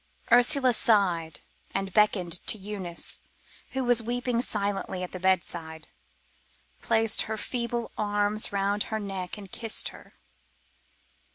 Ursula sighed, and beckoning to Eunice, who was weeping silently at the bedside, placed her feeble arms around her neck and kissed her.